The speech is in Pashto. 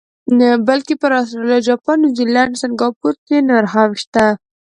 بلکې پر اسټرالیا، جاپان، نیوزیلینډ، سنګاپور کې نور هم شته.